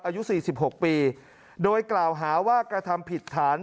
อายุสี่สิบหกปีโดยกล่าวหาว่ากระทำผิดฐาน